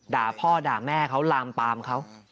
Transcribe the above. ด่าพ่อด่าแม่เขาลามปามเขา